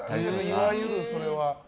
いわゆる、それは。